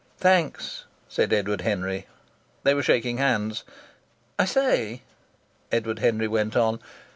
"Thanks," said Edward Henry. They were shaking hands. "I say," Edward Henry went on.